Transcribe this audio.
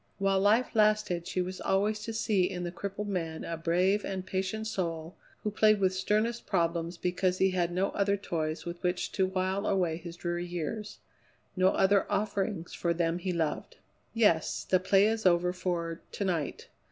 While life lasted she was always to see in the crippled man a brave and patient soul who played with sternest problems because he had no other toys with which to while away his dreary years; no other offerings for them he loved. "Yes. The play is over for to night.